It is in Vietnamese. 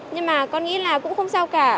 nhưng mà con nghĩ là cũng không sao cả